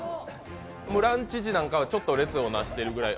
ランチ時なんかは、ちょっと列を成してるくらい。